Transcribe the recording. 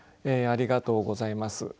ありがとうございます。